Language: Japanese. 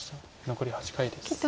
残り８回です。